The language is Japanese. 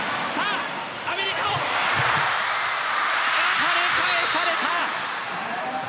跳ね返された。